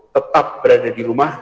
tetap berada di rumah